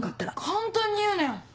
簡単に言うなよ。